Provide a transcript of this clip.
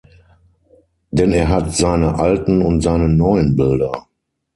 Denn er hat seine alten und seine neuen Bilder.